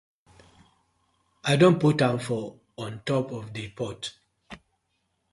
I don put am for on top of the pot.